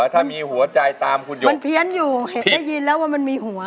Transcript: ถ้ามีหัวใจตามคุณอยู่มันเพี้ยนอยู่เห็นได้ยินแล้วว่ามันมีหัว